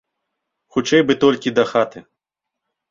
Хутчэй бы толькі дахаты.